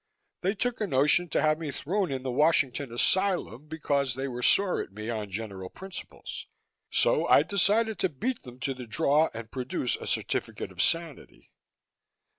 "They took a notion to have me thrown in the Washington asylum because they were sore at me on general principles. So I decided to beat them to the draw and produce a certificate of sanity."